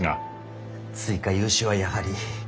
追加融資はやはり。